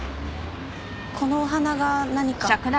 このお花が何か？